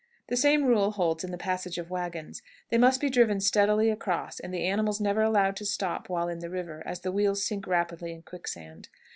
The same rule holds in the passage of wagons: they must be driven steadily across, and the animals never allowed to stop while in the river, as the wheels sink rapidly in quicksand.